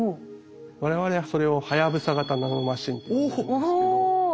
我々はそれを「はやぶさ型ナノマシン」って呼んでるんですけど。